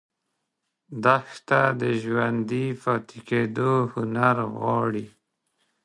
دښته د ژوندي پاتې کېدو هنر غواړي.